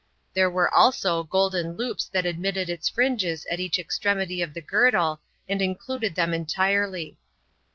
There were also golden loops that admitted its fringes at each extremity of the girdle, and included them entirely.